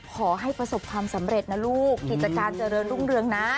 ขอให้ประสบความสำเร็จนะลูกอิจจัตริกาเจริญรุ่งนะ